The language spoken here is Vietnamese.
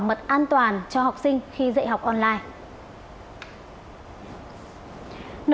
bảo mật an toàn cho học sinh khi dạy học online